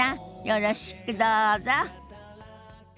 よろしくどうぞ。